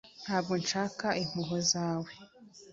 Ntabwo nshaka impuhwe zawe